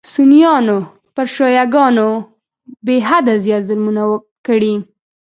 سنیانو پر شیعه ګانو بېحده زیات ظلمونه کړي.